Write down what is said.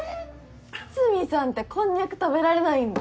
筒見さんってこんにゃく食べられないんだ。